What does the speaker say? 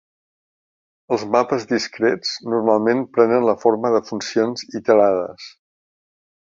Els mapes discrets normalment prenen la forma de funcions iterades.